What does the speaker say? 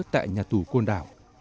tại nhà tù côn đảo